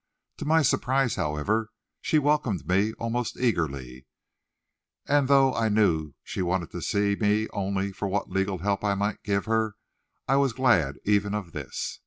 To my surprise, however, she welcomed me almost eagerly, and, though I knew she wanted to see me only for what legal help I might give her, I was glad even of this.